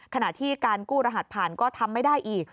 ขณะที่การกู้รหัสผ่านก็ทำไม่ได้อีก